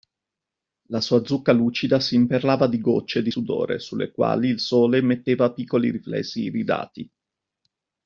La sua zucca lucida s'imperlava di gocce di sudore, su le quali il sole metteva piccoli riflessi iridati.